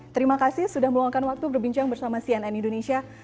terima kasih sudah meluangkan waktu berbincang bersama cnn indonesia